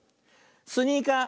「スニーカー」。